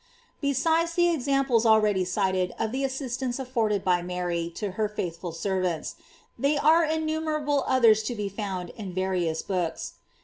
Be sides the examples already cited of the assistance afforded by Mary to her faithful servants, they are innumerable others to be found in various books.